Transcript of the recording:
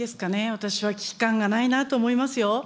私は危機感がないなと思いますよ。